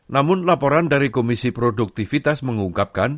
namun laporan dari komisi produktivitas mengungkapkan